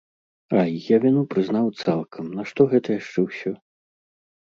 Ай, я віну прызнаў цалкам, нашто гэта яшчэ ўсё?